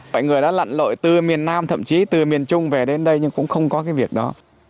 mọi người đã lặn lội từ miền nam thậm chí từ miền trung về đến đây nhưng cũng không có cái việc đó